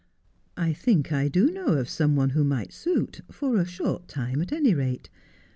' I think I do know of some one who might suit, for a short time, at any rate.